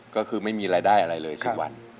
ก็คือไม่มีรายได้อะไรเลยสักวัน